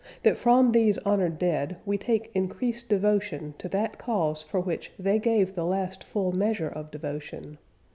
. .that from these honored dead we take increased devotion to that cause for which they gave the last full measure of devotion.